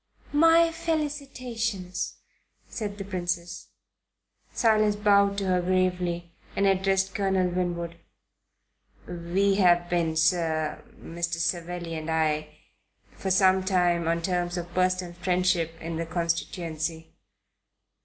"' "My felicitations," said the Princess. Silas bowed to her gravely and addressed Colonel Winwood. "We have been, sir Mr. Savelli and I for some time on terms of personal friendship in the constituency."